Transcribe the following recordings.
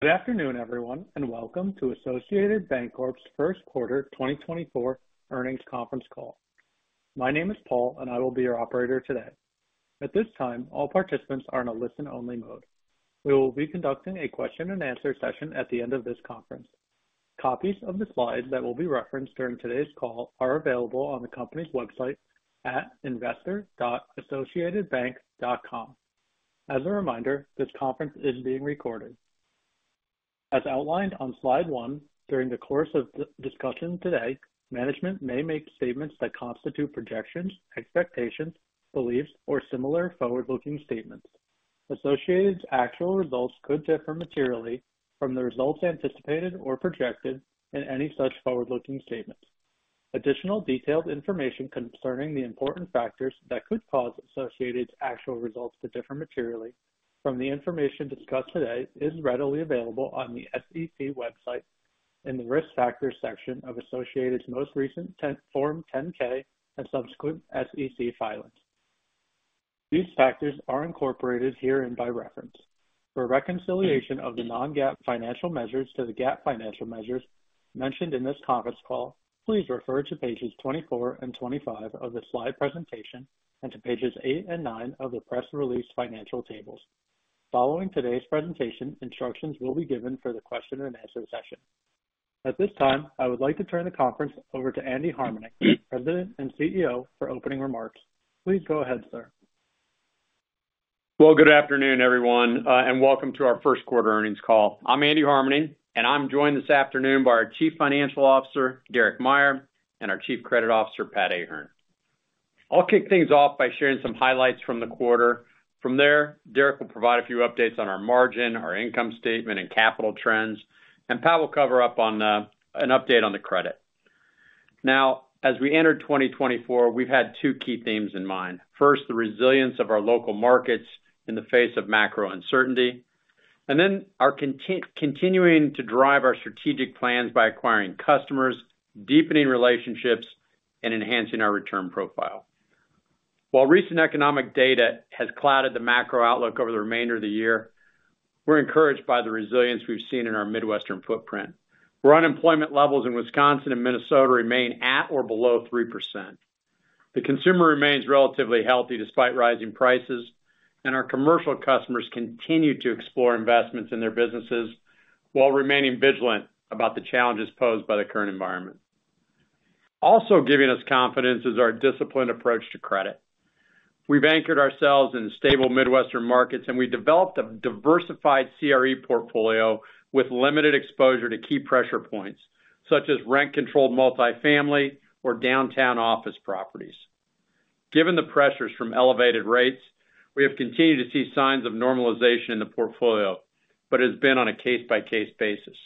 Good afternoon, everyone, and welcome to Associated Banc-Corp's Q1 2024 Earnings Conference Call. My name is Paul, and I will be your operator today. At this time, all participants are in a listen-only mode. We will be conducting a question-and-answer session at the end of this conference. Copies of the slides that will be referenced during today's call are available on the company's website at investor.associatedbank.com. As a reminder, this conference is being recorded. As outlined on slide one, during the course of the discussion today, management may make statements that constitute projections, expectations, beliefs, or similar forward-looking statements. Associated's actual results could differ materially from the results anticipated or projected in any such forward-looking statements. Additional detailed information concerning the important factors that could cause Associated's actual results to differ materially from the information discussed today is readily available on the SEC website in the Risk Factors section of Associated's most recent Form 10-K and subsequent SEC filings. These factors are incorporated here and by reference. For reconciliation of the non-GAAP financial measures to the GAAP financial measures mentioned in this conference call, please refer to pages 24 and 25 of the slide presentation and to pages eight and nine of the press-released financial tables. Following today's presentation, instructions will be given for the question-and-answer session. At this time, I would like to turn the conference over to Andy Harmening, President and CEO, for opening remarks. Please go ahead, sir. Well, good afternoon, everyone, and welcome to our Q1 Earnings Call. I'm Andy Harmening, and I'm joined this afternoon by our Chief Financial Officer, Derek Meyer, and our Chief Credit Officer, Pat Ahern. I'll kick things off by sharing some highlights from the quarter. From there, Derek will provide a few updates on our margin, our income statement, and capital trends, and Pat will cover an update on the credit. Now, as we entered 2024, we've had two key themes in mind. First, the resilience of our local markets in the face of macro uncertainty, and then our continuing to drive our strategic plans by acquiring customers, deepening relationships, and enhancing our return profile. While recent economic data has clouded the macro outlook over the remainder of the year, we're encouraged by the resilience we've seen in our Midwestern footprint. Our unemployment levels in Wisconsin and Minnesota remain at or below 3%. The consumer remains relatively healthy despite rising prices, and our commercial customers continue to explore investments in their businesses while remaining vigilant about the challenges posed by the current environment. Also giving us confidence is our disciplined approach to credit. We've anchored ourselves in stable Midwestern markets, and we've developed a diversified CRE portfolio with limited exposure to key pressure points such as rent-controlled multifamily or downtown office properties. Given the pressures from elevated rates, we have continued to see signs of normalization in the portfolio, but it has been on a case-by-case basis.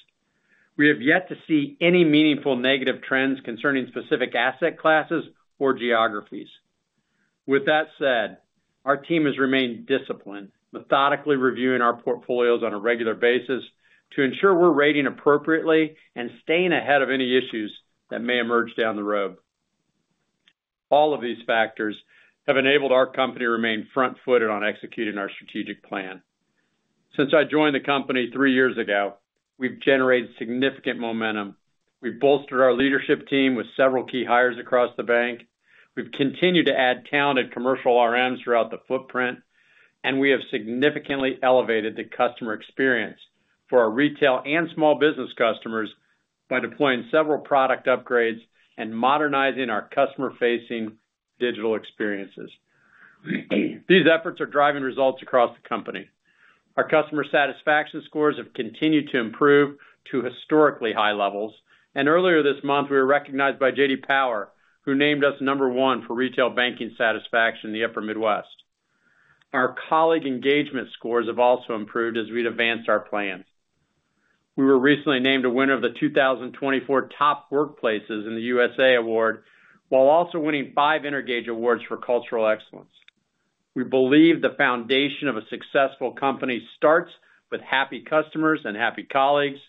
We have yet to see any meaningful negative trends concerning specific asset classes or geographies. With that said, our team has remained disciplined, methodically reviewing our portfolios on a regular basis to ensure we're rating appropriately and staying ahead of any issues that may emerge down the road. All of these factors have enabled our company to remain front-footed on executing our strategic plan. Since I joined the company three years ago, we've generated significant momentum. We've bolstered our leadership team with several key hires across the bank. We've continued to add talented commercial RMs throughout the footprint, and we have significantly elevated the customer experience for our retail and small business customers by deploying several product upgrades and modernizing our customer-facing digital experiences. These efforts are driving results across the company. Our customer satisfaction scores have continued to improve to historically high levels, and earlier this month, we were recognized by J.D. Power, who named us number one for retail banking satisfaction in the Upper Midwest. Our colleague engagement scores have also improved as we've advanced our plans. We were recently named a winner of the 2024 Top Workplaces in the USA Award while also winning five Energage Awards for Cultural Excellence. We believe the foundation of a successful company starts with happy customers and happy colleagues,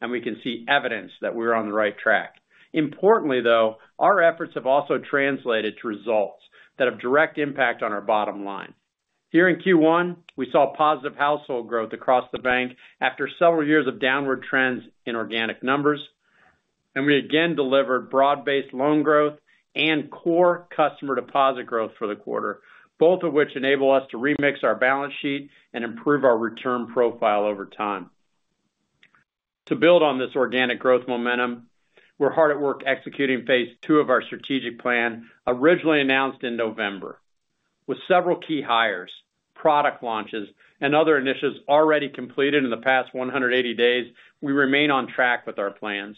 and we can see evidence that we're on the right track. Importantly, though, our efforts have also translated to results that have direct impact on our bottom line. Here in Q1, we saw positive household growth across the bank after several years of downward trends in organic numbers, and we again delivered broad-based loan growth and core customer deposit growth for the quarter, both of which enable us to remix our balance sheet and improve our return profile over time. To build on this organic growth momentum, we're hard at work executing phase II of our strategic plan, originally announced in November. With several key hires, product launches, and other initiatives already completed in the past 180 days, we remain on track with our plans.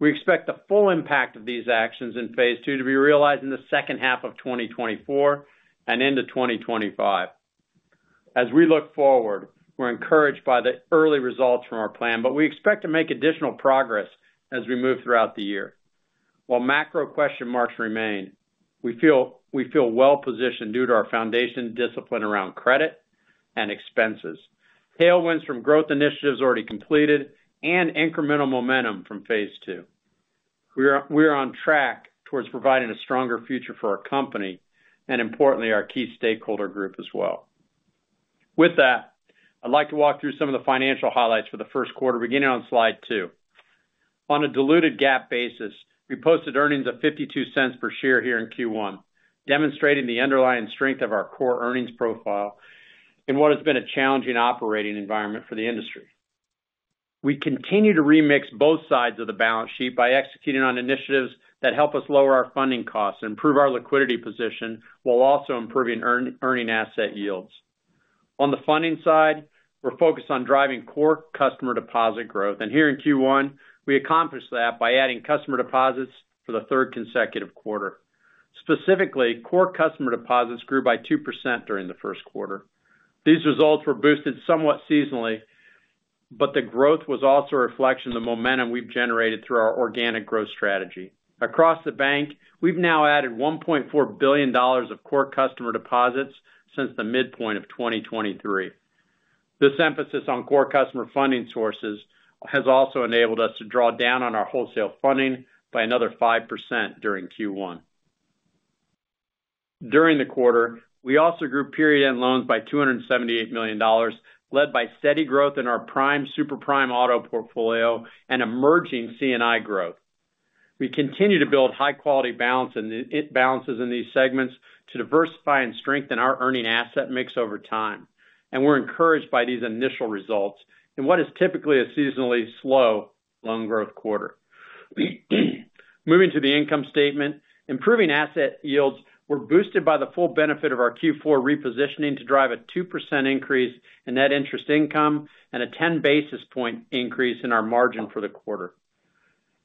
We expect the full impact of these actions in phase II to be realized in the second half of 2024 and into 2025. As we look forward, we're encouraged by the early results from our plan, but we expect to make additional progress as we move throughout the year. While macro question marks remain, we feel well-positioned due to our foundation discipline around credit and expenses, tailwinds from growth initiatives already completed, and incremental momentum from phase II. We're on track towards providing a stronger future for our company and, importantly, our key stakeholder group as well. With that, I'd like to walk through some of the financial highlights for the Q1, beginning on slide two. On a diluted GAAP basis, we posted earnings of $0.52 per share here in Q1, demonstrating the underlying strength of our core earnings profile in what has been a challenging operating environment for the industry. We continue to remix both sides of the balance sheet by executing on initiatives that help us lower our funding costs and improve our liquidity position while also improving earning asset yields. On the funding side, we're focused on driving core customer deposit growth, and here in Q1, we accomplished that by adding customer deposits for the third consecutive quarter. Specifically, core customer deposits grew by 2% during the Q1. These results were boosted somewhat seasonally, but the growth was also a reflection of the momentum we've generated through our organic growth strategy. Across the bank, we've now added $1.4 billion of core customer deposits since the midpoint of 2023. This emphasis on core customer funding sources has also enabled us to draw down on our wholesale funding by another 5% during Q1. During the quarter, we also grew period-end loans by $278 million, led by steady growth in our Prime/SuperPrime Auto portfolio and emerging C&I growth. We continue to build high-quality balances in these segments to diversify and strengthen our earning asset mix over time, and we're encouraged by these initial results in what is typically a seasonally slow loan growth quarter. Moving to the income statement, improving asset yields were boosted by the full benefit of our Q4 repositioning to drive a 2% increase in net interest income and a 10 basis point increase in our margin for the quarter.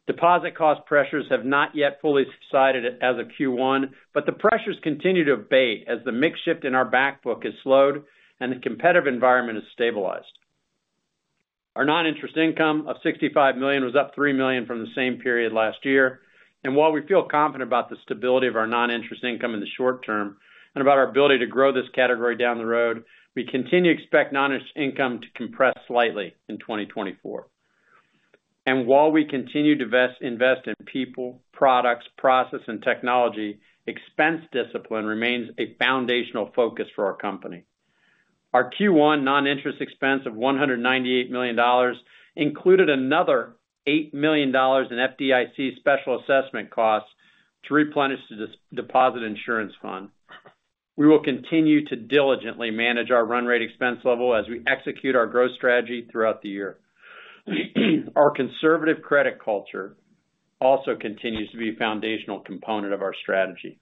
Deposit cost pressures have not yet fully subsided as of Q1, but the pressures continue to abate as the mix shift in our backbook has slowed and the competitive environment has stabilized. Our non-interest income of $65 million was up $3 million from the same period last year, and while we feel confident about the stability of our non-interest income in the short term and about our ability to grow this category down the road, we continue to expect non-interest income to compress slightly in 2024. While we continue to invest in people, products, process, and technology, expense discipline remains a foundational focus for our company. Our Q1 non-interest expense of $198 million included another $8 million in FDIC special assessment costs to replenish the deposit insurance fund. We will continue to diligently manage our run rate expense level as we execute our growth strategy throughout the year. Our conservative credit culture also continues to be a foundational component of our strategy.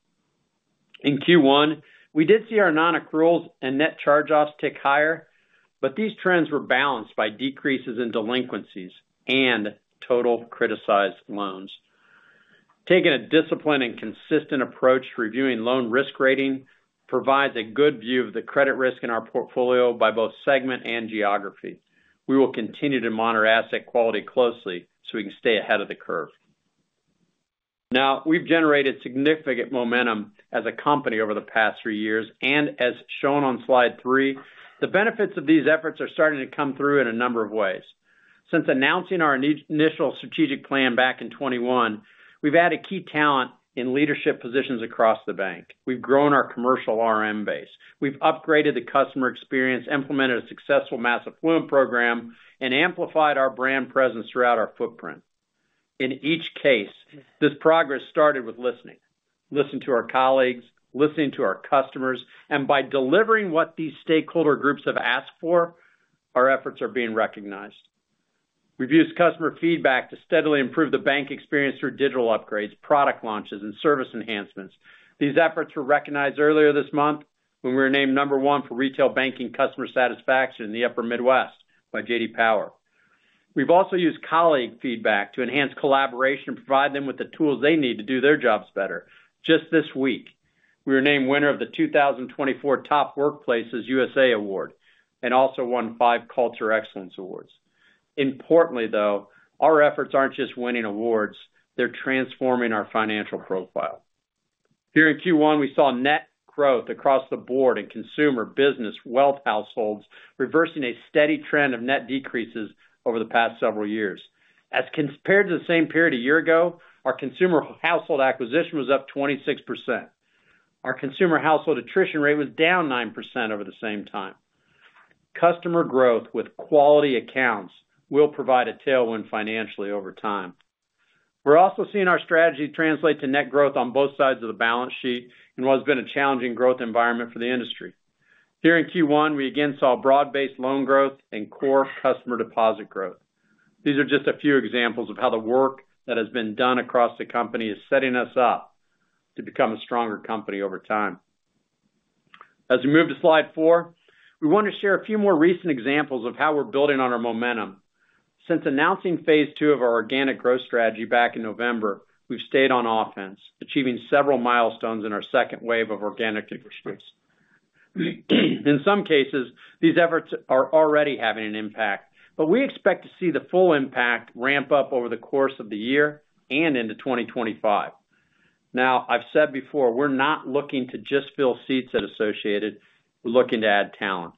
In Q1, we did see our non-accruals and net charge-offs tick higher, but these trends were balanced by decreases in delinquencies and total criticized loans. Taking a disciplined and consistent approach to reviewing loan risk rating provides a good view of the credit risk in our portfolio by both segment and geography. We will continue to monitor asset quality closely so we can stay ahead of the curve. Now, we've generated significant momentum as a company over the past three years, and as shown on slide three, the benefits of these efforts are starting to come through in a number of ways. Since announcing our initial strategic plan back in 2021, we've added key talent in leadership positions across the bank. We've grown our commercial RM base. We've upgraded the customer experience, implemented a successful Mass Affluent Program, and amplified our brand presence throughout our footprint. In each case, this progress started with listening; listening to our colleagues, listening to our customers, and by delivering what these stakeholder groups have asked for, our efforts are being recognized. We've used customer feedback to steadily improve the bank experience through digital upgrades, product launches, and service enhancements. These efforts were recognized earlier this month when we were named number one for retail banking customer satisfaction in the Upper Midwest by J.D. Power. We've also used colleague feedback to enhance collaboration and provide them with the tools they need to do their jobs better. Just this week, we were named winner of the 2024 Top Workplaces USA Award and also won five Culture Excellence Awards. Importantly, though, our efforts aren't just winning awards; they're transforming our financial profile. Here in Q1, we saw net growth across the board in consumer, business, wealth households reversing a steady trend of net decreases over the past several years. As compared to the same period a year ago, our consumer household acquisition was up 26%. Our consumer household attrition rate was down 9% over the same time. Customer growth with quality accounts will provide a tailwind financially over time. We're also seeing our strategy translate to net growth on both sides of the balance sheet in what has been a challenging growth environment for the industry. Here in Q1, we again saw broad-based loan growth and core customer deposit growth. These are just a few examples of how the work that has been done across the company is setting us up to become a stronger company over time. As we move to slide 4, we want to share a few more recent examples of how we're building on our momentum. Since announcing phase II of our organic growth strategy back in November, we've stayed on offense, achieving several milestones in our second wave of organic growth. In some cases, these efforts are already having an impact, but we expect to see the full impact ramp up over the course of the year and into 2025. Now, I've said before, we're not looking to just fill seats at Associated; we're looking to add talent.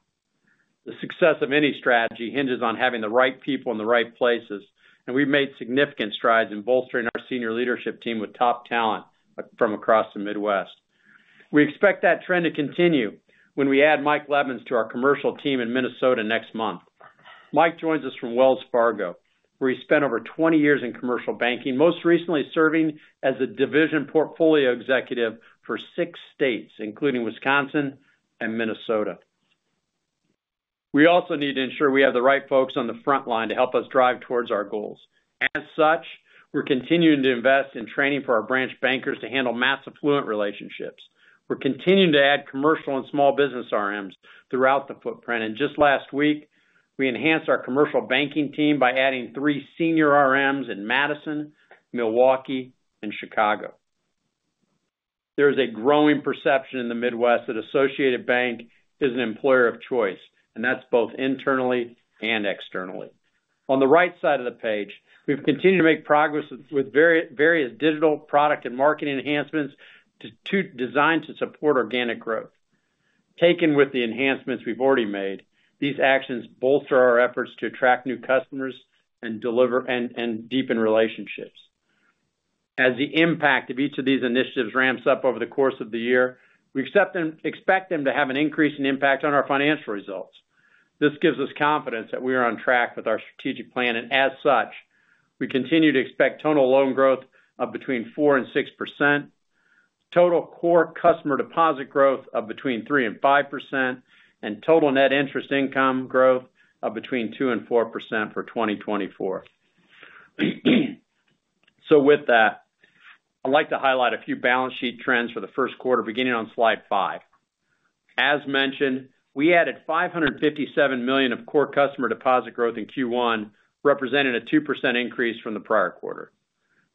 The success of any strategy hinges on having the right people in the right places, and we've made significant strides in bolstering our senior leadership team with top talent from across the Midwest. We expect that trend to continue when we add Mike Levins to our commercial team in Minnesota next month. Mike joins us from Wells Fargo, where he spent over 20 years in commercial banking, most recently serving as a division portfolio executive for six states, including Wisconsin and Minnesota. We also need to ensure we have the right folks on the front line to help us drive towards our goals. As such, we're continuing to invest in training for our branch bankers to handle mass affluent relationships. We're continuing to add commercial and small business RMs throughout the footprint. And just last week, we enhanced our commercial banking team by adding three senior RMs in Madison, Milwaukee, and Chicago. There is a growing perception in the Midwest that Associated Bank is an employer of choice, and that's both internally and externally. On the right side of the page, we've continued to make progress with various digital product and marketing enhancements designed to support organic growth. Taken with the enhancements we've already made, these actions bolster our efforts to attract new customers and deepen relationships. As the impact of each of these initiatives ramps up over the course of the year, we expect them to have an increase in impact on our financial results. This gives us confidence that we are on track with our strategic plan, and as such, we continue to expect total loan growth of between 4 and 6%, total core customer deposit growth of between 3 and 5%, and total net interest income growth of between 2 and 4% for 2024. So with that, I'd like to highlight a few balance sheet trends for the Q1, beginning on slide five. As mentioned, we added $557 million of core customer deposit growth in Q1, representing a 2% increase from the prior quarter.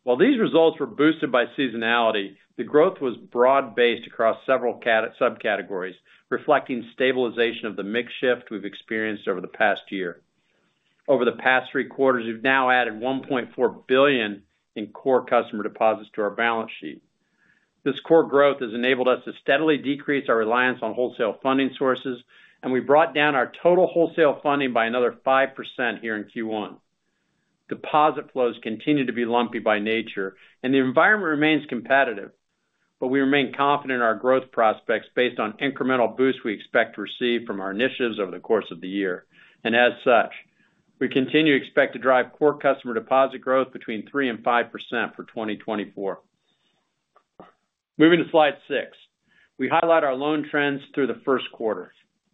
While these results were boosted by seasonality, the growth was broad-based across several subcategories, reflecting stabilization of the mix shift we've experienced over the past year. Over the past three quarters, we've now added $1.4 billion in core customer deposits to our balance sheet. This core growth has enabled us to steadily decrease our reliance on wholesale funding sources, and we brought down our total wholesale funding by another 5% here in Q1. Deposit flows continue to be lumpy by nature, and the environment remains competitive, but we remain confident in our growth prospects based on incremental boosts we expect to receive from our initiatives over the course of the year. And as such, we continue to expect to drive core customer deposit growth between 3% and 5% for 2024. Moving to slide six, we highlight our loan trends through the Q1.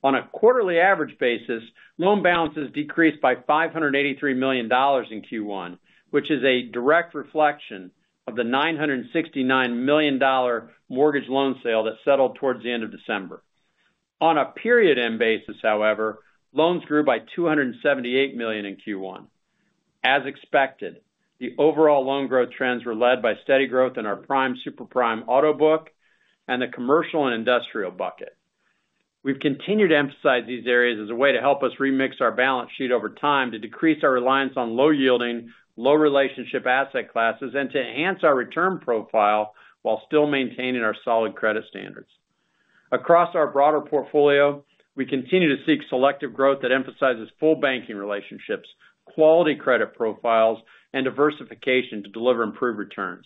On a quarterly average basis, loan balances decreased by $583 million in Q1, which is a direct reflection of the $969 million mortgage loan sale that settled toward the end of December. On a period-end basis, however, loans grew by $278 million in Q1. As expected, the overall loan growth trends were led by steady growth in our Prime/SuperPrime Auto book and the commercial and industrial bucket. We've continued to emphasize these areas as a way to help us remix our balance sheet over time to decrease our reliance on low-yielding, low-relationship asset classes, and to enhance our return profile while still maintaining our solid credit standards. Across our broader portfolio, we continue to seek selective growth that emphasizes full banking relationships, quality credit profiles, and diversification to deliver improved returns.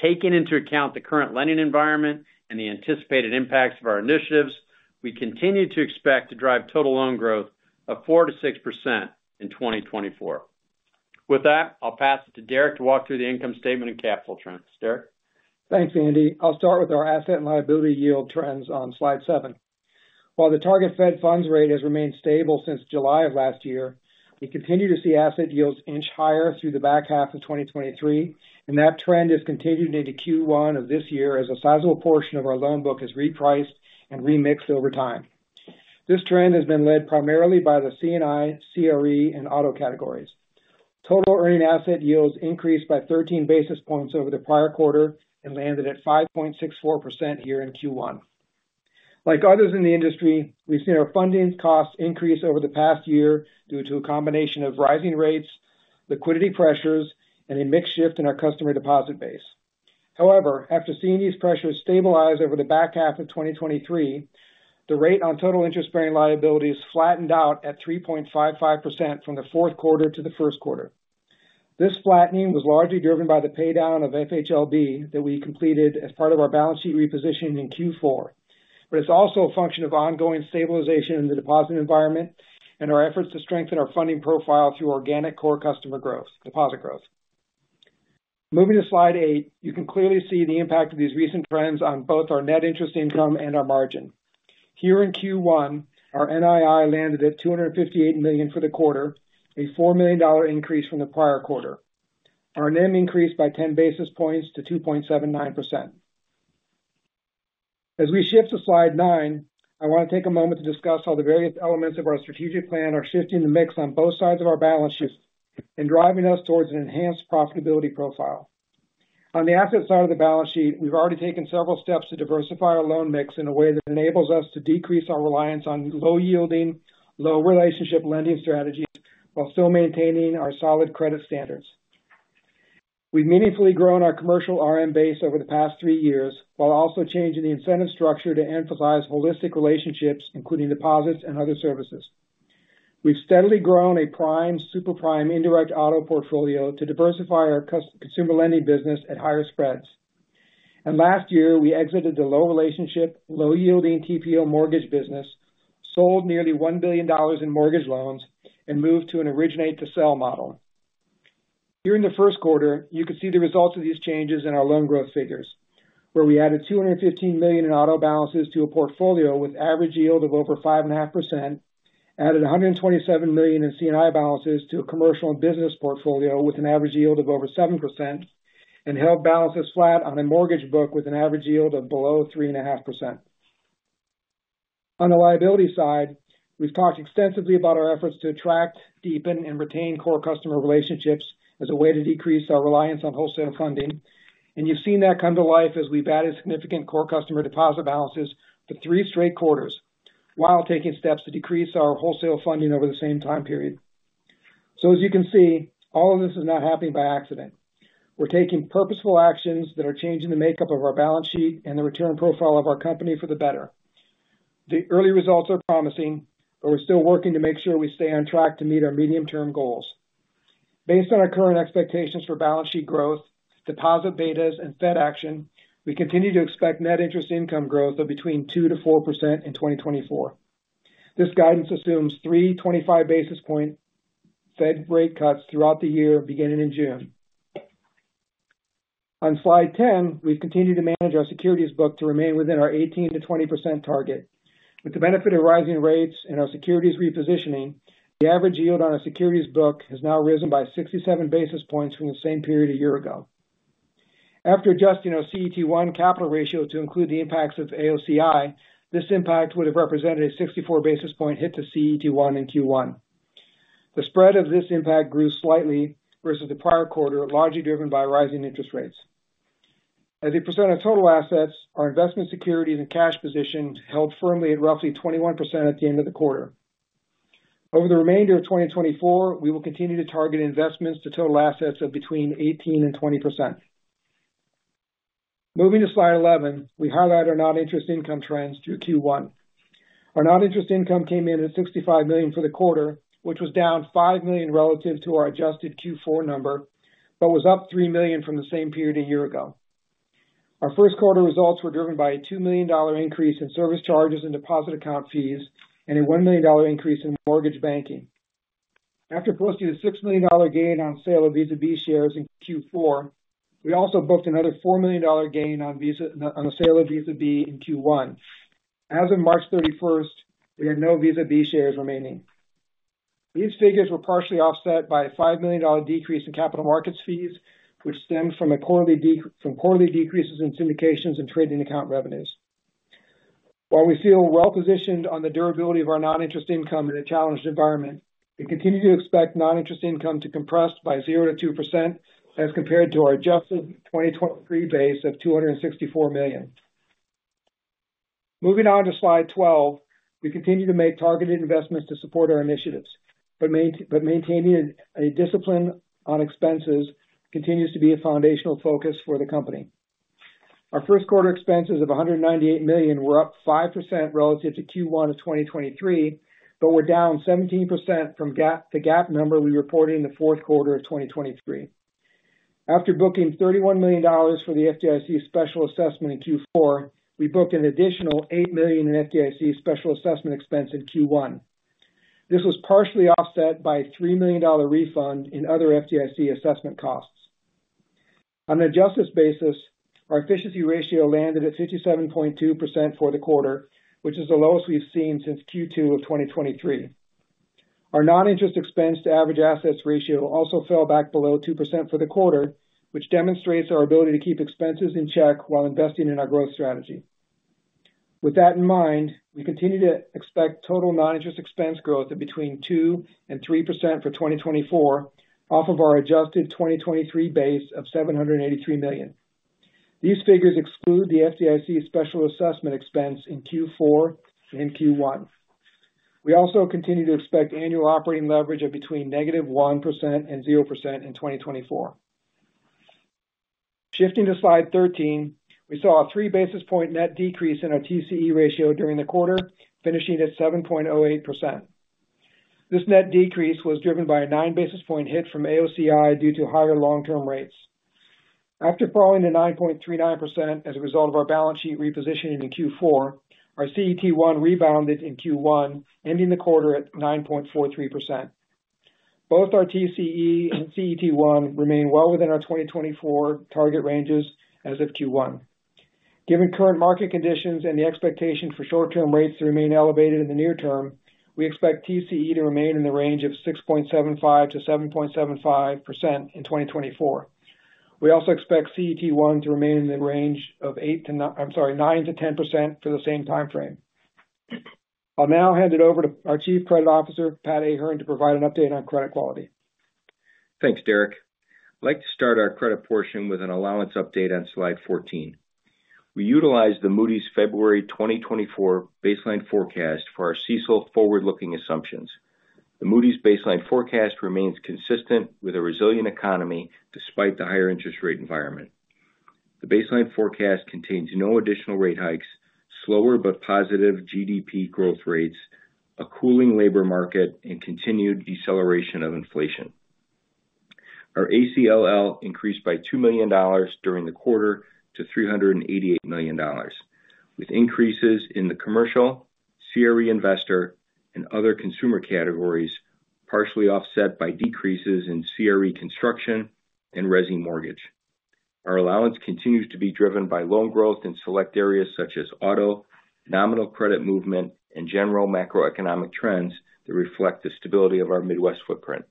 Taking into account the current lending environment and the anticipated impacts of our initiatives, we continue to expect to drive total loan growth of 4%-6% in 2024. With that, I'll pass it to Derek to walk through the income statement and capital trends. Derek. Thanks, Andy. I'll start with our asset and liability yield trends on slide seven. While the target Fed funds rate has remained stable since July of last year, we continue to see asset yields inch higher through the back half of 2023, and that trend has continued into Q1 of this year as a sizable portion of our loan book is repriced and remixed over time. This trend has been led primarily by the C&I, CRE, and auto categories. Total earning asset yields increased by 13 basis points over the prior quarter and landed at 5.64% here in Q1. Like others in the industry, we've seen our funding costs increase over the past year due to a combination of rising rates, liquidity pressures, and a mix shift in our customer deposit base. However, after seeing these pressures stabilize over the back half of 2023, the rate on total interest-bearing liabilities flattened out at 3.55% from the Q4 to the Q1. This flattening was largely driven by the paydown of FHLB that we completed as part of our balance sheet repositioning in Q4, but it's also a function of ongoing stabilization in the deposit environment and our efforts to strengthen our funding profile through organic core customer growth, deposit growth. Moving to slide eight, you can clearly see the impact of these recent trends on both our net interest income and our margin. Here in Q1, our NII landed at $258 million for the quarter, a $4 million increase from the prior quarter. Our NIM increased by 10 basis points to 2.79%. As we shift to slide nine, I want to take a moment to discuss how the various elements of our strategic plan are shifting the mix on both sides of our balance sheet and driving us towards an enhanced profitability profile. On the asset side of the balance sheet, we've already taken several steps to diversify our loan mix in a way that enables us to decrease our reliance on low-yielding, low-relationship lending strategies while still maintaining our solid credit standards. We've meaningfully grown our commercial RM base over the past 3 years while also changing the incentive structure to emphasize holistic relationships, including deposits and other services. We've steadily grown a Prime/SuperPrime indirect auto portfolio to diversify our consumer lending business at higher spreads. Last year, we exited the low-relationship, low-yielding TPO mortgage business, sold nearly $1 billion in mortgage loans, and moved to an originate-to-sell model. Here in the Q1, you can see the results of these changes in our loan growth figures, where we added $215 million in auto balances to a portfolio with an average yield of over 5.5%, added $127 million in C&I balances to a commercial and business portfolio with an average yield of over 7%, and held balances flat on a mortgage book with an average yield of below 3.5%. On the liability side, we've talked extensively about our efforts to attract, deepen, and retain core customer relationships as a way to decrease our reliance on wholesale funding. You've seen that come to life as we've added significant core customer deposit balances for three straight quarters while taking steps to decrease our wholesale funding over the same time period. As you can see, all of this is not happening by accident. We're taking purposeful actions that are changing the makeup of our balance sheet and the return profile of our company for the better. The early results are promising, but we're still working to make sure we stay on track to meet our medium-term goals. Based on our current expectations for balance sheet growth, deposit betas, and Fed action, we continue to expect net interest income growth of between 2%-4% in 2024. This guidance assumes 3/25-basis-point Fed rate cuts throughout the year, beginning in June. On slide 10, we've continued to manage our securities book to remain within our 18%-20% target. With the benefit of rising rates and our securities repositioning, the average yield on our securities book has now risen by 67 basis points from the same period a year ago. After adjusting our CET1 capital ratio to include the impacts of AOCI, this impact would have represented a 64-basis-point hit to CET1 in Q1. The spread of this impact grew slightly versus the prior quarter, largely driven by rising interest rates. As a percent of total assets, our investment securities and cash position held firmly at roughly 21% at the end of the quarter. Over the remainder of 2024, we will continue to target investments to total assets of between 18%-20%. Moving to slide 11, we highlight our non-interest income trends through Q1. Our non-interest income came in at $65 million for the quarter, which was down $5 million relative to our adjusted Q4 number but was up $3 million from the same period a year ago. Our Q1 results were driven by a $2 million increase in service charges and deposit account fees and a $1 million increase in mortgage banking. After posting a $6 million gain on sale of Visa B shares in Q4, we also booked another $4 million gain on the sale of Visa B in Q1. As of March 31st, we had no Visa B shares remaining. These figures were partially offset by a $5 million decrease in capital markets fees, which stemmed from quarterly decreases in syndications and trading account revenues. While we feel well-positioned on the durability of our non-interest income in a challenged environment, we continue to expect non-interest income to compress by 0%-2% as compared to our adjusted 2023 base of $264 million. Moving on to slide 12, we continue to make targeted investments to support our initiatives, but maintaining a discipline on expenses continues to be a foundational focus for the company. Our Q1 expenses of $198 million were up 5% relative to Q1 of 2023 but were down 17% from the GAAP number we reported in the Q4 of 2023. After booking $31 million for the FDIC special assessment in Q4, we booked an additional $8 million in FDIC special assessment expense in Q1. This was partially offset by a $3 million refund in other FDIC assessment costs. On an adjusted basis, our efficiency ratio landed at 57.2% for the quarter, which is the lowest we've seen since Q2 of 2023. Our non-interest expense to average assets ratio also fell back below 2% for the quarter, which demonstrates our ability to keep expenses in check while investing in our growth strategy. With that in mind, we continue to expect total non-interest expense growth of between 2% and 3% for 2024 off of our adjusted 2023 base of $783 million. These figures exclude the FDIC special assessment expense in Q4 and Q1. We also continue to expect annual operating leverage of between -1% and 0% in 2024. Shifting to slide 13, we saw a three-basis-point net decrease in our TCE ratio during the quarter, finishing at 7.08%. This net decrease was driven by a nine-basis-point hit from AOCI due to higher long-term rates. After falling to 9.39% as a result of our balance sheet repositioning in Q4, our CET1 rebounded in Q1, ending the quarter at 9.43%. Both our TCE and CET1 remain well within our 2024 target ranges as of Q1. Given current market conditions and the expectation for short-term rates to remain elevated in the near term, we expect TCE to remain in the range of 6.75%-7.75% in 2024. We also expect CET1 to remain in the range of 9%-10% for the same time frame. I'll now hand it over to our Chief Credit Officer, Pat Ahern, to provide an update on credit quality. Thanks, Derek. I'd like to start our credit portion with an allowance update on slide 14. We utilized the Moody's February 2024 baseline forecast for our CECL forward-looking assumptions. The Moody's baseline forecast remains consistent with a resilient economy despite the higher interest rate environment. The baseline forecast contains no additional rate hikes, slower but positive GDP growth rates, a cooling labor market, and continued deceleration of inflation. Our ACLL increased by $2 million during the quarter to $388 million, with increases in the commercial, CRE investor, and other consumer categories, partially offset by decreases in CRE construction and residential mortgage. Our allowance continues to be driven by loan growth in select areas such as auto, nominal credit movement, and general macroeconomic trends that reflect the stability of our Midwest footprint.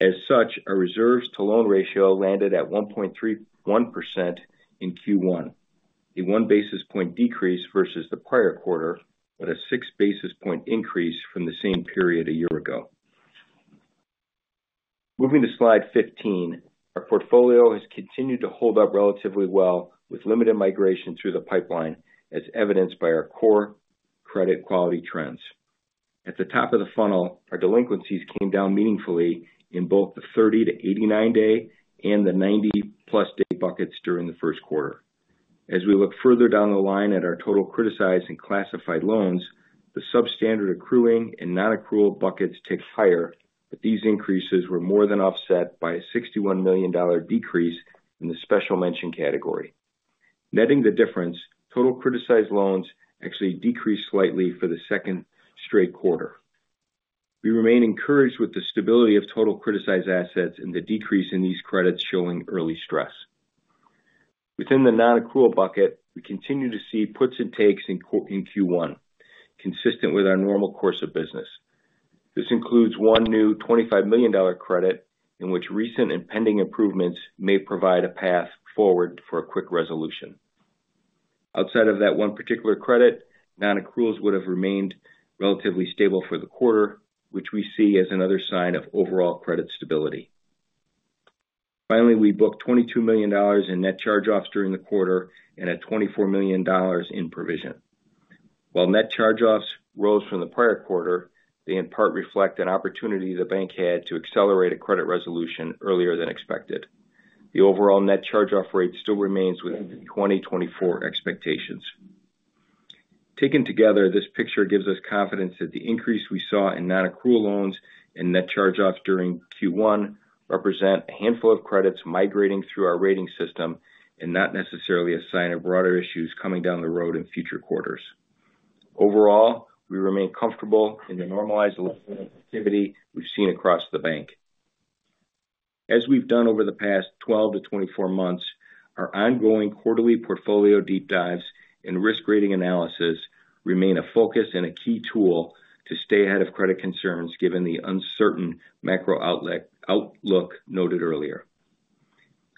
As such, our reserves-to-loan ratio landed at 1.31% in Q1, a one basis point decrease versus the prior quarter but a six basis point increase from the same period a year ago. Moving to slide 15, our portfolio has continued to hold up relatively well with limited migration through the pipeline, as evidenced by our core credit quality trends. At the top of the funnel, our delinquencies came down meaningfully in both the 30-89-day and the 90+ day buckets during the Q1. As we look further down the line at our total criticized and classified loans, the substandard accruing and non-accrual buckets tick higher, but these increases were more than offset by a $61 million decrease in the special mention category. Netting the difference, total criticized loans actually decreased slightly for the second straight quarter. We remain encouraged with the stability of total criticized assets and the decrease in these credits showing early stress. Within the non-accrual bucket, we continue to see puts and takes in Q1, consistent with our normal course of business. This includes one new $25 million credit in which recent and pending improvements may provide a path forward for a quick resolution. Outside of that one particular credit, non-accruals would have remained relatively stable for the quarter, which we see as another sign of overall credit stability. Finally, we booked $22 million in net charge-offs during the quarter and a $24 million in provision. While net charge-offs rose from the prior quarter, they in part reflect an opportunity the bank had to accelerate a credit resolution earlier than expected. The overall net charge-off rate still remains within the 2024 expectations. Taken together, this picture gives us confidence that the increase we saw in non-accrual loans and net charge-offs during Q1 represent a handful of credits migrating through our rating system and not necessarily a sign of broader issues coming down the road in future quarters. Overall, we remain comfortable in the normalized level of activity we've seen across the bank. As we've done over the past 12-24 months, our ongoing quarterly portfolio deep dives and risk-rating analysis remain a focus and a key tool to stay ahead of credit concerns given the uncertain macro outlook noted earlier.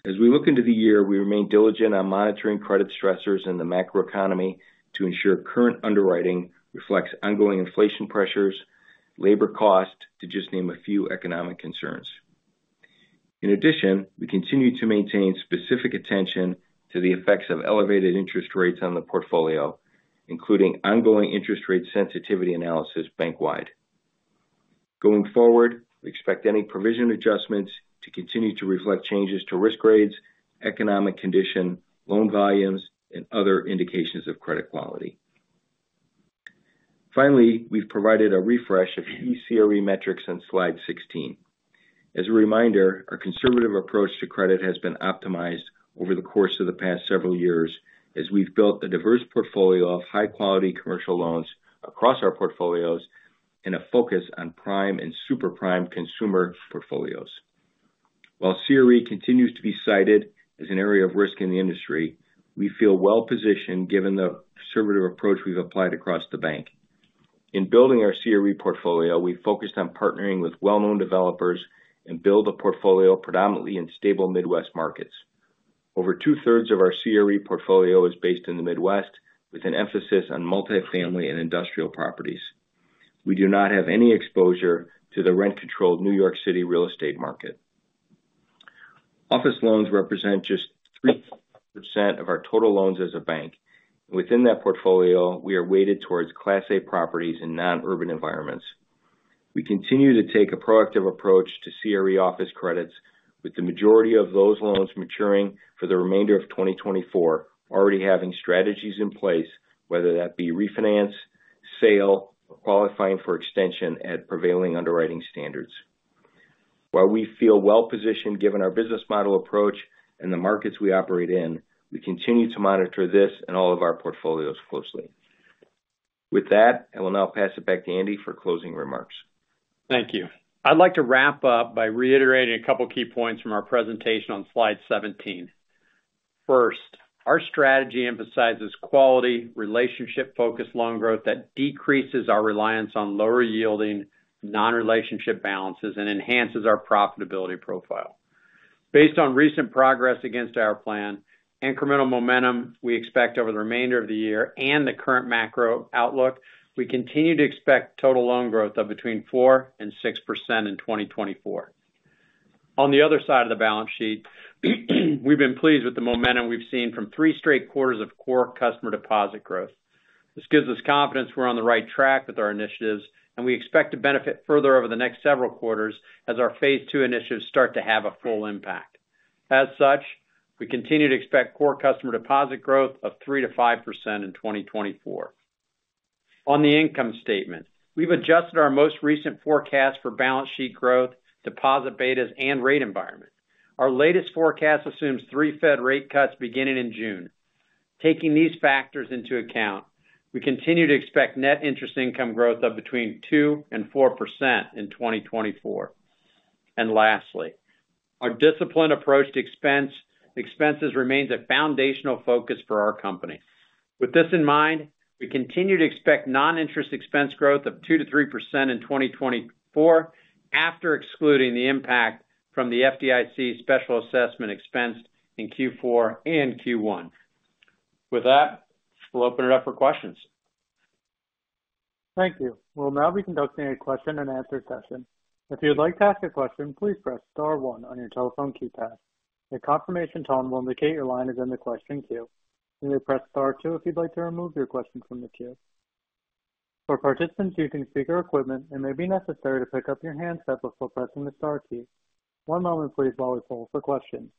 As we look into the year, we remain diligent on monitoring credit stressors in the macroeconomy to ensure current underwriting reflects ongoing inflation pressures, labor cost, to just name a few economic concerns. In addition, we continue to maintain specific attention to the effects of elevated interest rates on the portfolio, including ongoing interest rate sensitivity analysis bankwide. Going forward, we expect any provision adjustments to continue to reflect changes to risk grades, economic condition, loan volumes, and other indications of credit quality. Finally, we've provided a refresh of key CRE metrics on slide 16. As a reminder, our conservative approach to credit has been optimized over the course of the past several years as we've built a diverse portfolio of high-quality commercial loans across our portfolios and a focus on Prime and SuperPrime consumer portfolios. While CRE continues to be cited as an area of risk in the industry, we feel well-positioned given the conservative approach we've applied across the bank. In building our CRE portfolio, we've focused on partnering with well-known developers and build a portfolio predominantly in stable Midwest markets. Over two-thirds of our CRE portfolio is based in the Midwest with an emphasis on multifamily and industrial properties. We do not have any exposure to the rent-controlled New York City real estate market. Office loans represent just 3% of our total loans as a bank, and within that portfolio, we are weighted towards Class A properties in non-urban environments. We continue to take a proactive approach to CRE office credits, with the majority of those loans maturing for the remainder of 2024 already having strategies in place, whether that be refinance, sale, or qualifying for extension at prevailing underwriting standards. While we feel well-positioned given our business model approach and the markets we operate in, we continue to monitor this and all of our portfolios closely. With that, I will now pass it back to Andy for closing remarks. Thank you. I'd like to wrap up by reiterating a couple of key points from our presentation on slide 17. First, our strategy emphasizes quality, relationship-focused loan growth that decreases our reliance on lower-yielding, non-relationship balances and enhances our profitability profile. Based on recent progress against our plan, incremental momentum we expect over the remainder of the year and the current macro outlook, we continue to expect total loan growth of between 4% and 6% in 2024. On the other side of the balance sheet, we've been pleased with the momentum we've seen from three straight quarters of core customer deposit growth. This gives us confidence we're on the right track with our initiatives, and we expect to benefit further over the next several quarters as our phase II initiatives start to have a full impact. As such, we continue to expect core customer deposit growth of 3%-5% in 2024. On the income statement, we've adjusted our most recent forecast for balance sheet growth, deposit betas, and rate environment. Our latest forecast assumes three Fed rate cuts beginning in June. Taking these factors into account, we continue to expect net interest income growth of between 2% and 4% in 2024. And lastly, our disciplined approach to expenses remains a foundational focus for our company. With this in mind, we continue to expect non-interest expense growth of 2%-3% in 2024 after excluding the impact from the FDIC special assessment expense in Q4 and Q1. With that, we'll open it up for questions. Thank you. We'll now be conducting a question-and-answer session. If you would like to ask a question, please press star one on your telephone keypad. A confirmation tone will indicate your line is in the question queue. You may press star two if you'd like to remove your question from the queue. For participants using speaker equipment, it may be necessary to pick up your handset before pressing the star key. One moment, please, while we poll for questions.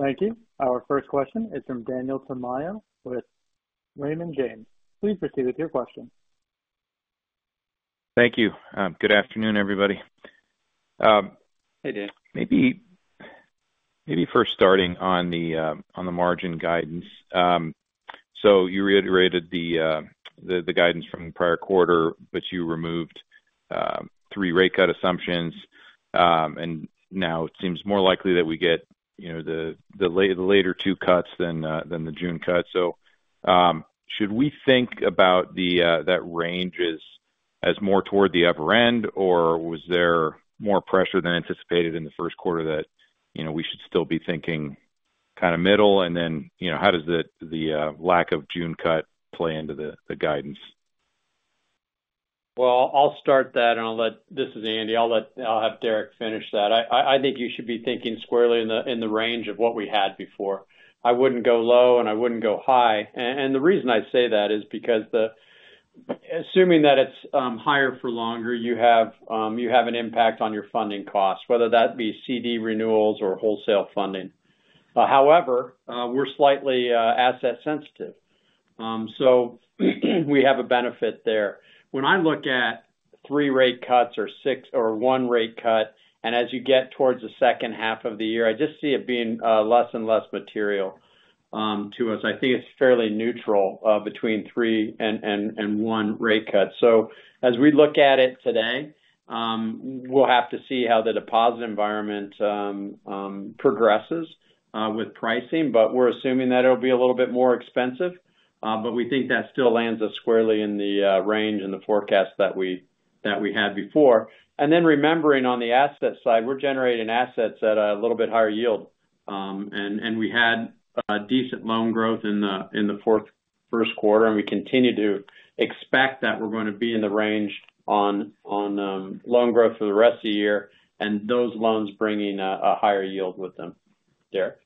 Thank you. Our first question is from Daniel Tamayo with Raymond James. Please proceed with your question. Thank you. Good afternoon, everybody. Hey, Dan. Maybe first starting on the margin guidance. So you reiterated the guidance from the prior quarter, but you removed three rate cut assumptions, and now it seems more likely that we get the later two cuts than the June cut. So should we think about that range as more toward the upper end, or was there more pressure than anticipated in the Q1 that we should still be thinking kind of middle? And then how does the lack of June cut play into the guidance? Well, I'll start that, and I'll let this is Andy. I'll have Derek finish that. I think you should be thinking squarely in the range of what we had before. I wouldn't go low, and I wouldn't go high. The reason I say that is because assuming that it's higher for longer, you have an impact on your funding costs, whether that be CD renewals or wholesale funding. However, we're slightly asset-sensitive, so we have a benefit there. When I look at three rate cuts or one rate cut, and as you get towards the second half of the year, I just see it being less and less material to us. I think it's fairly neutral between three and one rate cut. As we look at it today, we'll have to see how the deposit environment progresses with pricing, but we're assuming that it'll be a little bit more expensive. We think that still lands us squarely in the range and the forecast that we had before. And then remembering, on the asset side, we're generating assets at a little bit higher yield, and we had decent loan growth in the Q1, and we continue to expect that we're going to be in the range on loan growth for the rest of the year and those loans bringing a higher yield with them, Derek.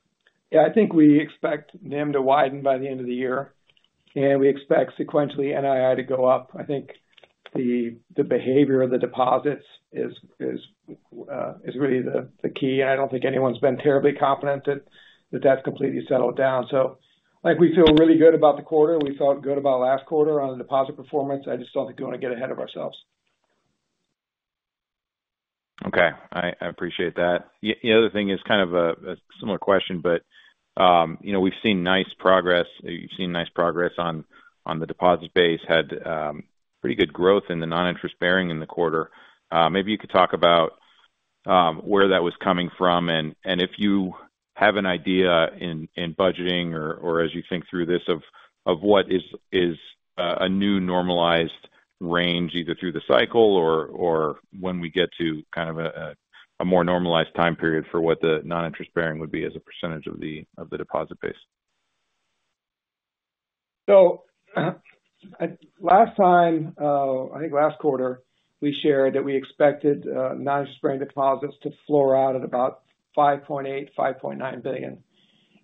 Yeah, I think we expect NIM to widen by the end of the year, and we expect sequentially NII to go up. I think the behavior of the deposits is really the key, and I don't think anyone's been terribly confident that that's completely settled down. So we feel really good about the quarter. We felt good about last quarter on the deposit performance. I just don't think we want to get ahead of ourselves. Okay. I appreciate that. The other thing is kind of a similar question, but we've seen nice progress. You've seen nice progress on the deposit base, had pretty good growth in the non-interest bearing in the quarter. Maybe you could talk about where that was coming from and if you have an idea in budgeting or as you think through this of what is a new normalized range either through the cycle or when we get to kind of a more normalized time period for what the non-interest bearing would be as a percentage of the deposit base. So last time, I think last quarter, we shared that we expected non-interest bearing deposits to floor out at about $5.8 billion-$5.9 billion,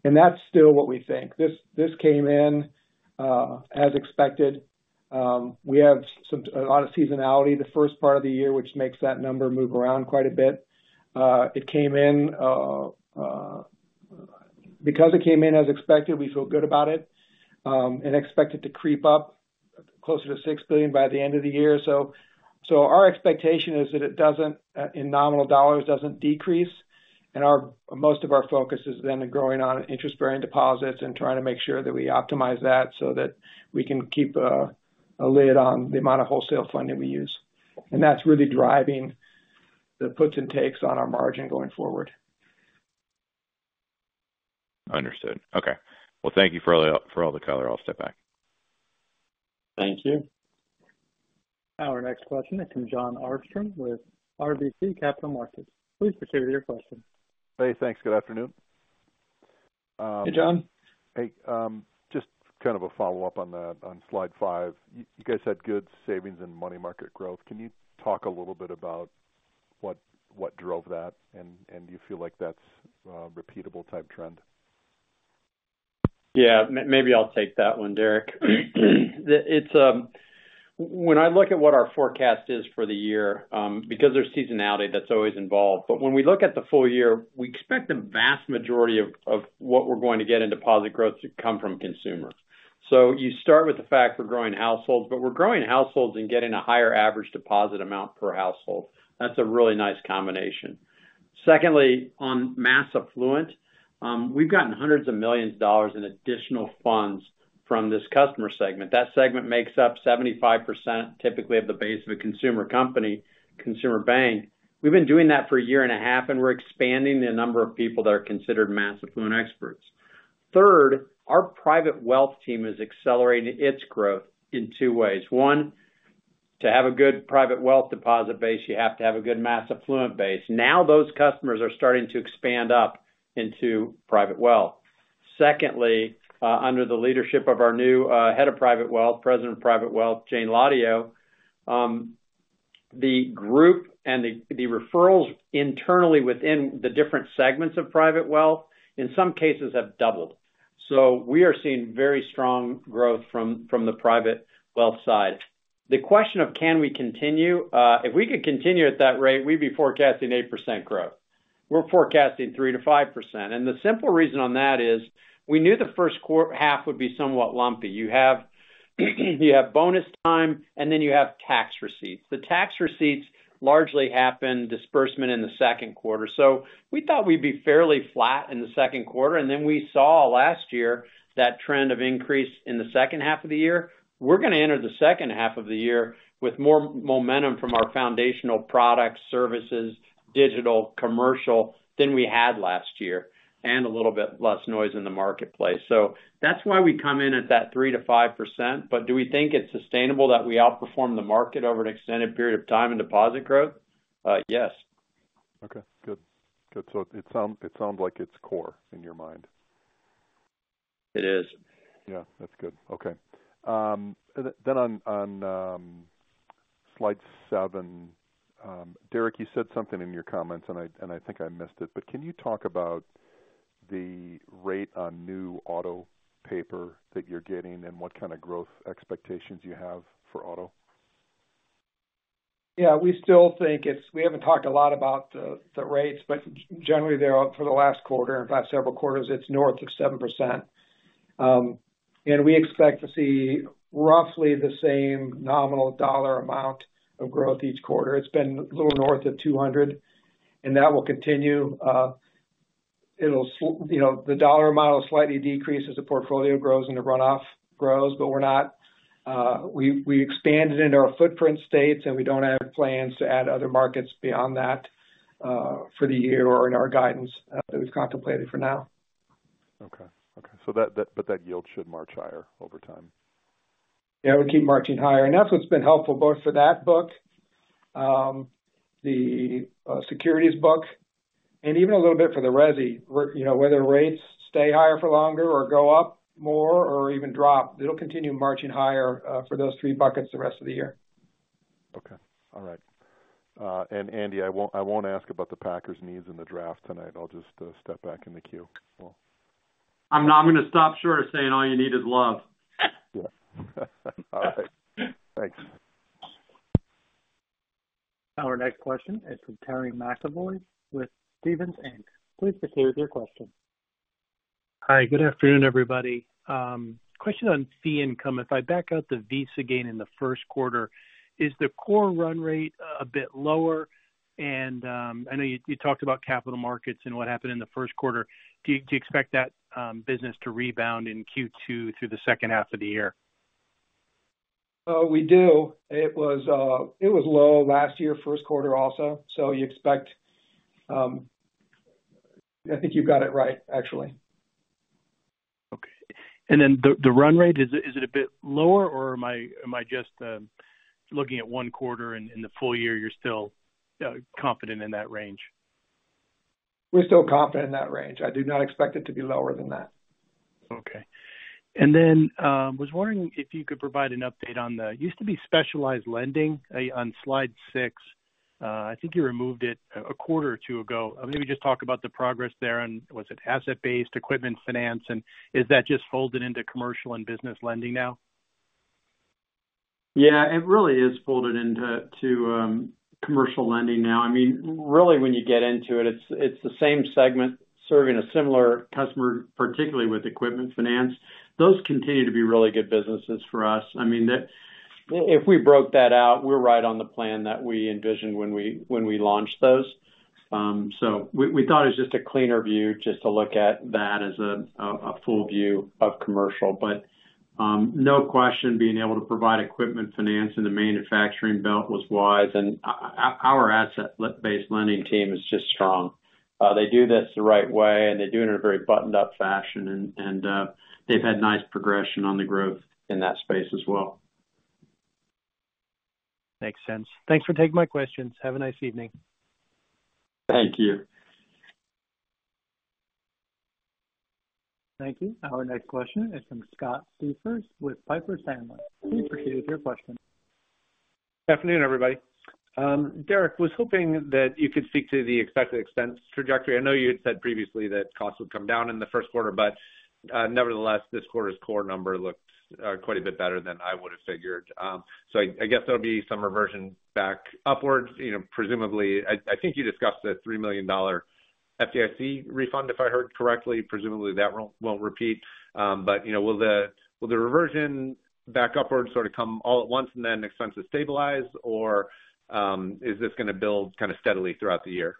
and that's still what we think. This came in as expected. We have a lot of seasonality the first part of the year, which makes that number move around quite a bit. It came in because it came in as expected. We feel good about it and expect it to creep up closer to $6 billion by the end of the year. So our expectation is that it doesn't, in nominal dollars, decrease, and most of our focus is then growing on interest-bearing deposits and trying to make sure that we optimize that so that we can keep a lid on the amount of wholesale funding we use. And that's really driving the puts and takes on our margin going forward. Understood. Okay. Well, thank you for all the color. I'll step back. Thank you. Our next question. It's from Jon Arfstrom with RBC Capital Markets. Please proceed with your question. Hey, thanks. Good afternoon. Hey, Jon. Hey, just kind of a follow-up on that. On slide five, you guys had good savings and money market growth. Can you talk a little bit about what drove that, and do you feel like that's a repeatable-type trend? Yeah, maybe I'll take that one, Derek. When I look at what our forecast is for the year, because there's seasonality that's always involved, but when we look at the full year, we expect the vast majority of what we're going to get in deposit growth to come from consumer. So you start with the fact we're growing households, but we're growing households and getting a higher average deposit amount per household. That's a really nice combination. Secondly, on mass affluent, we've gotten hundreds of millions dollars in additional funds from this customer segment. That segment makes up 75% typically of the base of a consumer company, consumer bank. We've been doing that for a year and a half, and we're expanding the number of people that are considered mass affluent experts. Third, our private wealth team is accelerating its growth in two ways. One, to have a good private wealth deposit base, you have to have a good mass affluent base. Now those customers are starting to expand up into private wealth. Secondly, under the leadership of our new head of private wealth, President of Private Wealth, Jayne Hladio, the group and the referrals internally within the different segments of private wealth, in some cases, have doubled. So we are seeing very strong growth from the private wealth side. The question of can we continue if we could continue at that rate, we'd be forecasting 8% growth. We're forecasting 3%-5%. And the simple reason on that is we knew the first half would be somewhat lumpy. You have bonus time, and then you have tax receipts. The tax receipts largely happened disbursement in the Q2. So we thought we'd be fairly flat in the Q2, and then we saw last year that trend of increase in the second half of the year. We're going to enter the second half of the year with more momentum from our foundational products, services, digital, commercial than we had last year, and a little bit less noise in the marketplace. So that's why we come in at that 3%-5%. But do we think it's sustainable that we outperform the market over an extended period of time in deposit growth? Yes. Okay. Good. Good. So it sounds like it's core in your mind. It is. Yeah, that's good. Okay. Then on slide seven, Derek, you said something in your comments, and I think I missed it, but can you talk about the rate on new auto paper that you're getting and what kind of growth expectations you have for auto? Yeah, we still think it's we haven't talked a lot about the rates, but generally, for the last quarter and past several quarters, it's north of 7%. And we expect to see roughly the same nominal dollar amount of growth each quarter. It's been a little north of $200, and that will continue. The dollar amount will slightly decrease as the portfolio grows and the runoff grows, but we're not we expanded into our footprint states, and we don't have plans to add other markets beyond that for the year or in our guidance that we've contemplated for now. Okay. Okay. But that yield should march higher over time. Yeah, it would keep marching higher. And that's what's been helpful both for that book, the securities book, and even a little bit for the resi. Whether rates stay higher for longer or go up more or even drop, it'll continue marching higher for those three buckets the rest of the year. Okay. All right. And Andy, I won't ask about the Packers' needs in the draft tonight. I'll just step back in the queue. I'm going to stop short of saying all you need is love. Yeah. All right. Thanks. Our next question. It's from Terry McEvoy with Stephens Inc. Please proceed with your question. Hi. Good afternoon, everybody. Question on fee income. If I back out the Visa gain in the Q1, is the core run rate a bit lower? And I know you talked about capital markets and what happened in the Q1. Do you expect that business to rebound in Q2 through the second half of the year? We do. It was low last year, Q1 also. So you expect I think you've got it right, actually. Okay. And then the run rate, is it a bit lower, or am I just looking at one quarter in the full year? You're still confident in that range? We're still confident in that range. I do not expect it to be lower than that. Okay. And then I was wondering if you could provide an update on the used to be specialized lending on slide six. I think you removed it a quarter or two ago. Maybe just talk about the progress there on, was it asset-based, equipment finance, and is that just folded into commercial and business lending now? Yeah, it really is folded into commercial lending now. I mean, really, when you get into it, it's the same segment serving a similar customer, particularly with equipment finance. Those continue to be really good businesses for us. I mean, if we broke that out, we're right on the plan that we envisioned when we launched those. So we thought it was just a cleaner view just to look at that as a full view of commercial. But no question being able to provide equipment finance in the manufacturing belt was wise. And our asset-based lending team is just strong. They do this the right way, and they do it in a very buttoned-up fashion. And they've had nice progression on the growth in that space as well. Makes sense. Thanks for taking my questions. Have a nice evening. Thank you. Thank you. Our next question. It's from Scott Siefers with Piper Sandler. Please proceed with your question. Good afternoon, everybody. Derek, was hoping that you could speak to the expected expense trajectory. I know you had said previously that costs would come down in the Q1, but nevertheless, this quarter's core number looked quite a bit better than I would have figured. So I guess there'll be some reversion back upwards, presumably. I think you discussed the $3 million FDIC refund, if I heard correctly. Presumably, that won't repeat. But will the reversion back upwards sort of come all at once, and then expenses stabilize, or is this going to build kind of steadily throughout the year?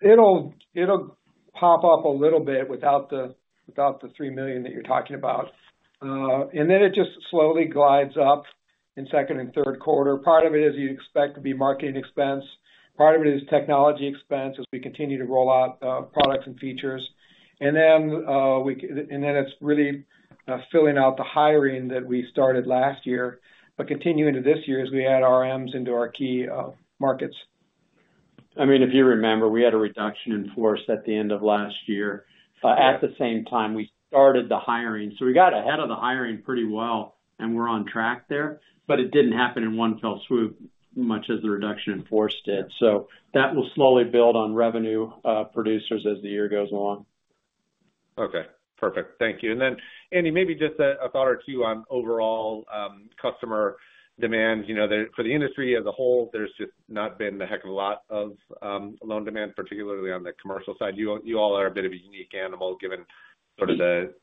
It'll pop up a little bit without the $3 million that you're talking about. And then it just slowly glides up in second and Q3. Part of it is you expect to be marketing expense. Part of it is technology expense as we continue to roll out products and features. And then it's really filling out the hiring that we started last year. But continuing to this year as we add RMs into our key markets. I mean, if you remember, we had a reduction in force at the end of last year. At the same time, we started the hiring. So we got ahead of the hiring pretty well, and we're on track there. But it didn't happen in one fell swoop, much as the reduction in force did. So that will slowly build on revenue producers as the year goes along. Okay. Perfect. Thank you. And then, Andy, maybe just a thought or two on overall customer demand. For the industry as a whole, there's just not been the heck of a lot of loan demand, particularly on the commercial side. You all are a bit of a unique animal given sort of the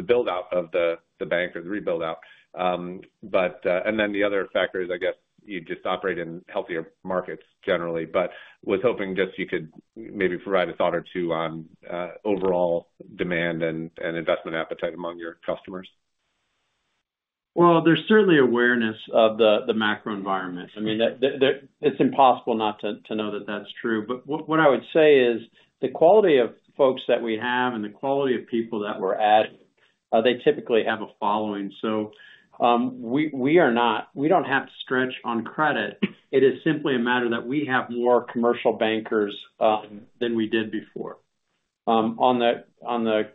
buildout of the bank or the rebuildout. And then the other factor is, I guess, you just operate in healthier markets generally. But I was hoping just you could maybe provide a thought or two on overall demand and investment appetite among your customers. Well, there's certainly awareness of the macro environment. I mean, it's impossible not to know that that's true. But what I would say is the quality of folks that we have and the quality of people that we're adding, they typically have a following. So we don't have to stretch on credit. It is simply a matter that we have more commercial bankers than we did before. On the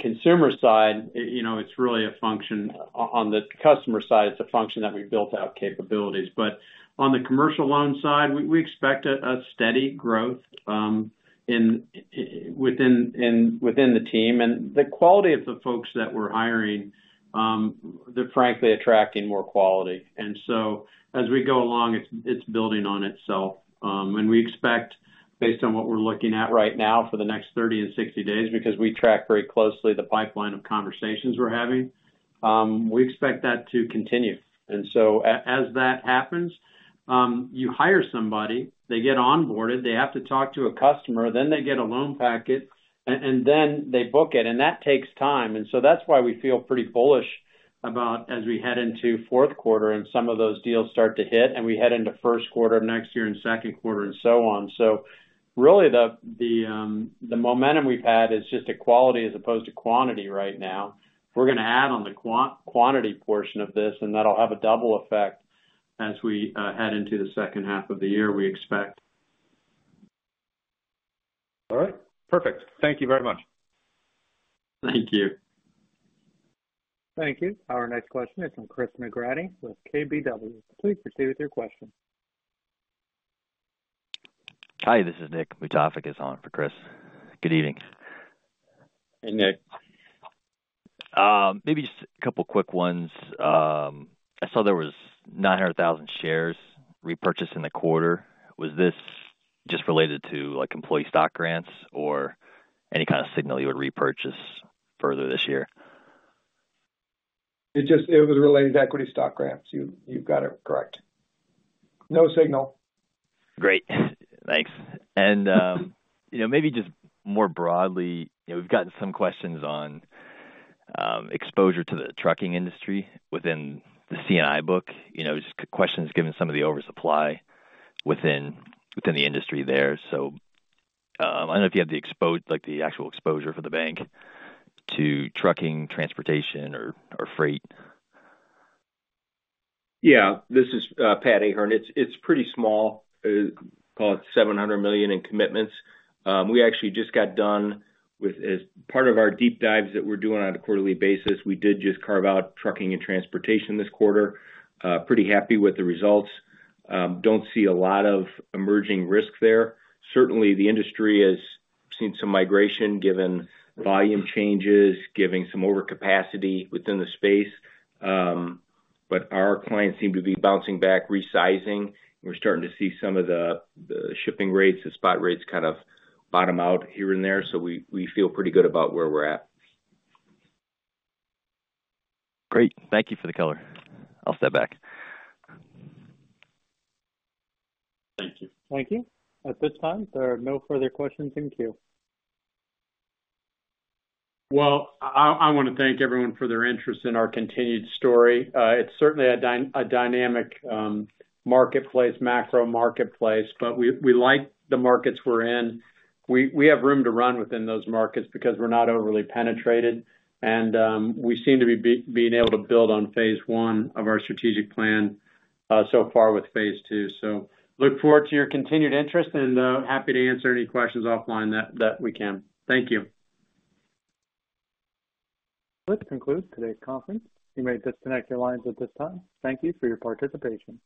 consumer side, it's really a function that we've built out capabilities. But on the commercial loan side, we expect a steady growth within the team. And the quality of the folks that we're hiring, they're frankly attracting more quality. And so as we go along, it's building on itself. And we expect, based on what we're looking at right now for the next 30 and 60 days because we track very closely the pipeline of conversations we're having, we expect that to continue. And so as that happens, you hire somebody, they get onboarded, they have to talk to a customer, then they get a loan packet, and then they book it. And that takes time. And so that's why we feel pretty bullish about as we head into Q4 and some of those deals start to hit, and we head into Q1 of next year and Q2 and so on. So really, the momentum we've had is just a quality as opposed to quantity right now. We're going to add on the quantity portion of this, and that'll have a double effect as we head into the second half of the year, we expect. All right. Perfect. Thank you very much. Thank you. Thank you. Our next question. It's from Chris McGratty with KBW. Please proceed with your question. Hi, this is Nick Mutafik on for Chris. Good evening. Hey, Nick. Maybe just a couple of quick ones. I saw there was 900,000 shares repurchased in the quarter. Was this just related to employee stock grants or any kind of signal you would repurchase further this year? It was related to equity stock grants. You've got it correct. No signal. Great. Thanks. Maybe just more broadly, we've gotten some questions on exposure to the trucking industry within the C&I book. Just questions given some of the oversupply within the industry there. I don't know if you have the actual exposure for the bank to trucking, transportation, or freight. Yeah. This is Pat Ahern. It's pretty small. Call it $700 million in commitments. We actually just got done with as part of our deep dives that we're doing on a quarterly basis, we did just carve out trucking and transportation this quarter. Pretty happy with the results. Don't see a lot of emerging risk there. Certainly, the industry has seen some migration given volume changes, giving some overcapacity within the space. But our clients seem to be bouncing back, resizing. We're starting to see some of the shipping rates, the spot rates, kind of bottom out here and there. So we feel pretty good about where we're at. Great. Thank you for the color. I'll step back. Thank you. Thank you. At this time, there are no further questions in queue. Well, I want to thank everyone for their interest in our continued story. It's certainly a dynamic marketplace, macro marketplace, but we like the markets we're in. We have room to run within those markets because we're not overly penetrated. We seem to be being able to build on phase I of our strategic plan so far with phase II. So look forward to your continued interest and happy to answer any questions offline that we can. Thank you. Let's conclude today's conference. You may disconnect your lines at this time. Thank you for your participation.